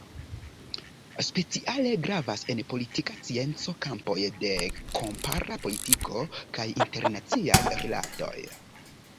Speciale gravas en politika scienco kampoj de kompara politiko kaj internaciaj rilatoj.